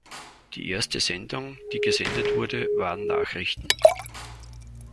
Die erste Sendung die gesendet wurde, waren Nachrichten.